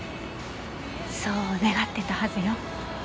そう願ってたはずよ。